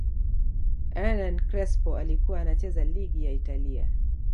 ernan Crespo alikuwa anacheza ligi ya Italia